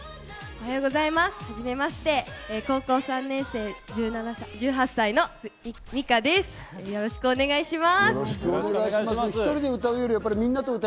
はじめまして、高校３年生１８歳のミカです。